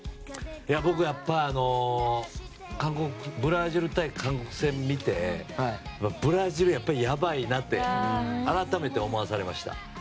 僕はやっぱりブラジル対韓国戦を見てブラジルはやっぱりやばいなって改めて思わされました。